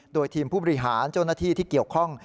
โดยทีมผู้บริหารโจรนาฏที่เกี่ยวข้อง